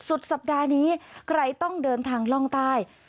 สุดสัปดาห์นี้ใครต้องเดินทางล่องใต้